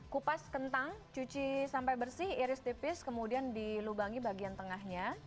kupas kentang cuci sampai bersih iris tipis kemudian dilubangi bagian tengahnya